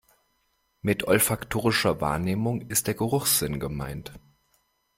Mit olfaktorischer Wahrnehmung ist der Geruchssinn gemeint.